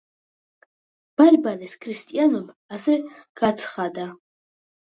ბარბარეს ქრისტიანობა ასე გაცხადდა.